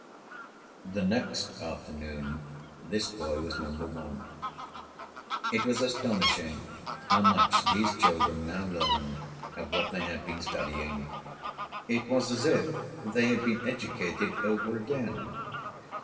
The next afternoon this boy was number one. It was astonishing how much these children now learned of what they had been studying. It was as if they had been educated over again.